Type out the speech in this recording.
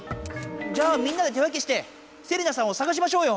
じゃあみんなで手分けしてセリナさんをさがしましょうよ！